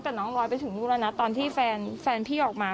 แต่น้องลอยไปถึงนู่นแล้วนะตอนที่แฟนพี่ออกมา